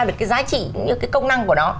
được cái giá trị những cái công năng của nó